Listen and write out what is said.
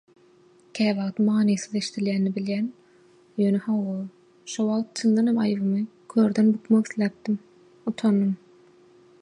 Gaty manysyz eşdilýänini bilýän, ýöne hawa, şowagt çyndanam aýbymy körden bukmak isläpdim, utandym.